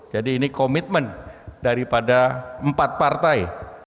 ini komitmen daripada empat partai